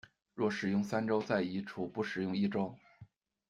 若使用三周，再移除不使用一周。